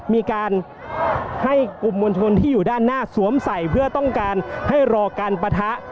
มีการให้กลุ่มมวลชนที่อยู่ด้านหน้าสวมใส่เพื่อต้องการให้รอการปะทะ